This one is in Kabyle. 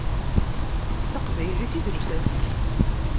D taqbaylit i d lsas-ik.